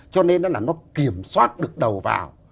cho nên nó là nó kiểm soát được đầu vào